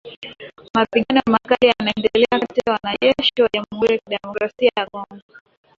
Mapigano makali yanaendelea kati ya wanajeshi wa jamuhuri ya kidemokrasia ya Kongo